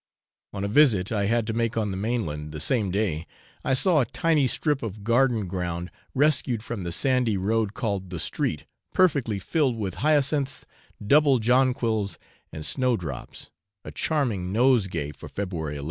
On a visit I had to make on the mainland, the same day, I saw a tiny strip of garden ground, rescued from the sandy road, called the street, perfectly filled with hyacinths, double jonquils, and snowdrops, a charming nosegay for February 11.